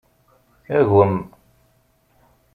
Agem.